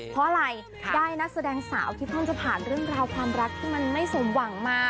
เพราะอะไรได้นักแสดงสาวที่เพิ่งจะผ่านเรื่องราวความรักที่มันไม่สมหวังมา